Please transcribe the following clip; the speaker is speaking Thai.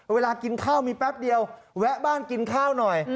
เวลากินข้าวมีแป๊บเดียวแวะบ้านกินข้าวหน่อย